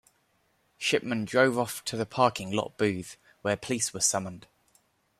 Shipman drove off to the parking lot booth where police were summoned.